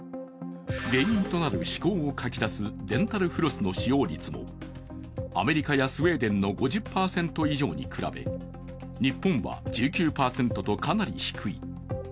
原因となる歯垢をかき出すデンタルフロスの使用率も、アメリカやスウェーデンの５０％以上に比べ日本は１９％とかなり低い。